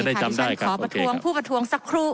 จะได้จำได้ครับโอเคครับดิฉันขอประทวงผู้ประทวงสักครู่